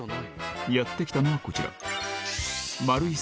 やって来たのはこちら。